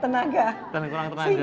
tentang kurangnya tenaga ya